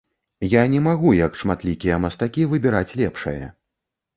Я не магу, як шматлікія мастакі, выбіраць лепшае.